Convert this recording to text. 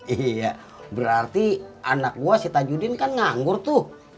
iya berarti anak gue sita judin kan nganggur tuh